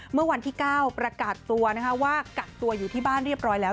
เมื่อวันที่๙ประกาศตัวว่ากักตัวอยู่ที่บ้านเรียบร้อยแล้ว